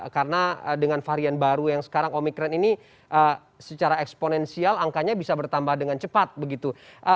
karena dengan varian baru yang sekarang omikron ini secara eksponensial angkanya bisa bertambah dengan cepat begitu